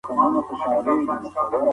تاسو په هلمند کي د چا ميلمه پالنه خوښوئ؟